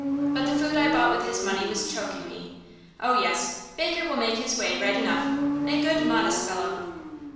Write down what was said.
But the food I bought with his money was choking me. Oh yes, Baker will make his way right enough. A good, modest fellow.